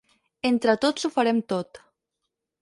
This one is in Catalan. Entre tots ho farem tot.